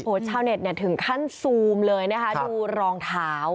โอ้โฮชาวเน็ตถึงขั้นซูมเลยนะคะดูรองเท้า